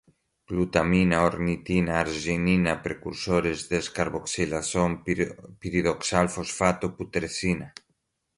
glutamina, ornitina, arginina, precursores, descarboxilação, piridoxal fosfato, putrescina